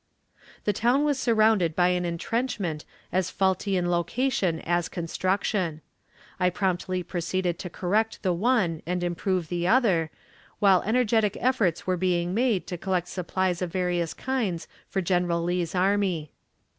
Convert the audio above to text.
The town was surrounded by an intrenchment as faulty in location as construction. I promptly proceeded to correct the one and improve the other, while energetic efforts were being made to collect supplies of various kinds for General Lee's army.